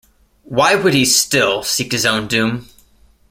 Why would he still seek his own doom?